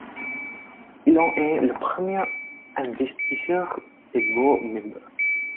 Il en est le premier investisseur et board member.